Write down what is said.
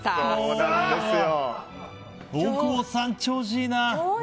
大久保さん調子いいな。